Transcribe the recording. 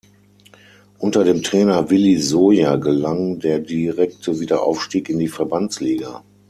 Unter dem Trainer Willi Soya gelang der direkte Wiederaufstieg in die Verbandsliga.